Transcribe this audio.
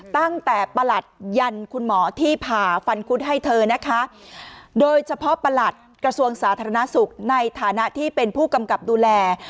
ประหลัดยันคุณหมอที่ผ่าฟันคุดให้เธอนะคะโดยเฉพาะประหลัดกระทรวงสาธารณสุขในฐานะที่เป็นผู้กำกับดูแล